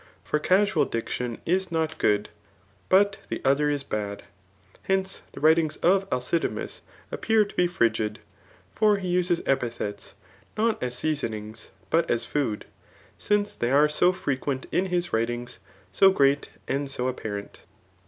For casual diction is not good, but the other is bad. Hence, the writings of Alcidamas appear to be frigid. For he uses epithets, not as seasonings, but as food ; sinte they are so frequent in his wridngs, so great, and so apparent.